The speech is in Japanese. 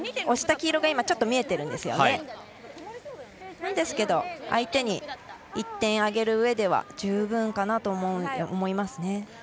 押した黄色が今ちょっと見えているんですが相手に１点あげるうえでは十分かなと思いますね。